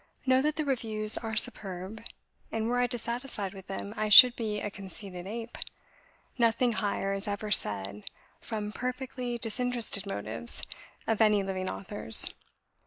Know that the reviews are superb; and were I dissatisfied with them, I should be a conceited ape. Nothing higher is ever said, FROM PERFECTLY DISINTERESTED MOTIVES, of any living authors.